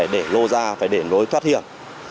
để lô ra phải để nối thoát hiện